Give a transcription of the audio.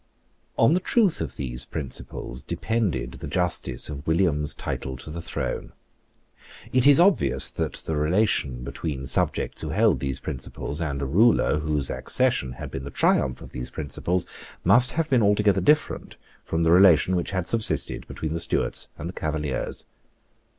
On the truth of these principles depended the justice of William's title to the throne. It is obvious that the relation between subjects who held these principles, and a ruler whose accession had been the triumph of these principles, must have been altogether different from the relation which had subsisted between the Stuarts and the Cavaliers.